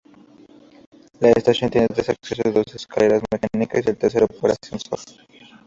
La estación tiene tres accesos, dos por escaleras mecánicas y el tercero por ascensor.